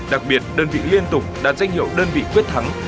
đặc biệt đơn vị liên tục đạt danh hiệu đơn vị quyết thắng